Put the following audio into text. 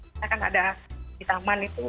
kita kan ada di taman itu